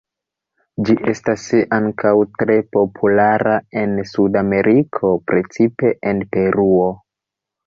Ĝi estas ankaŭ tre populara en Sudameriko, precipe en Peruo.